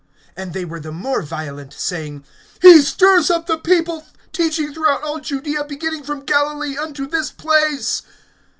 (5)And they were the more violent, saying: He stirs up the people, teaching throughout all Judaea, beginning from Galilee, unto this place.